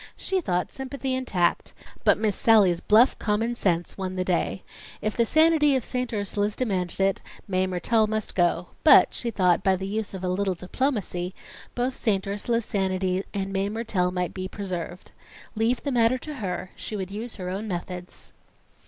She thought sympathy and tact But Miss Sallie's bluff common sense won the day. If the sanity of Saint Ursula's demanded it, Mae Mertelle must go; but she thought, by the use of a little diplomacy, both St. Ursula's sanity and Mae Mertelle might be preserved. Leave the matter to her. She would use her own methods.